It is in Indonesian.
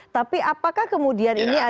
tapi apakah kemudian ini